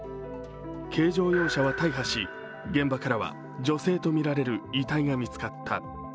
軽乗用車は大破し、現場からは女性とみられる遺体が見つかった。